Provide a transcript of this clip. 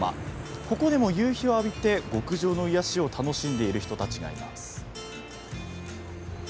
ここでも、夕日を浴びて極上の癒やしを楽しんでいる人たちがいます。